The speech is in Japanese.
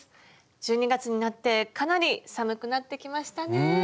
１２月になってかなり寒くなってきましたね。